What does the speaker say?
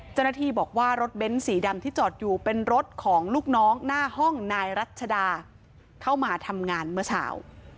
เจ้าหน้าที่บอกว่ารถเบ้นสีดำที่จอดอยู่เป็นรถของลูกน้องหน้าห้องนายรัชดาเข้ามาทำงานเมื่อเช้า